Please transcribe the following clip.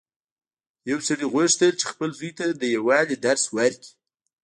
یو سړي غوښتل چې خپل زوی ته د یووالي درس ورکړي.